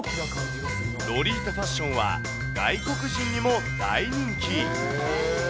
ロリータファッションは、外国人にも大人気。